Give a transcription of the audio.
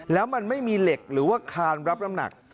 แล้วมันไม่มีเหล็กหรือว่าคานรับน้ำหนัก